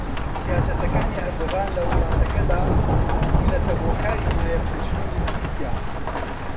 سیاسەتەکانی ئەردۆغان لە وڵاتەکەدا بوونەتە هۆکاری مایەپووچبوونی تورکیا